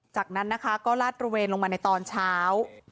จากนั้นนะคะก็ลาดตระเวนลงมาในตอนเช้า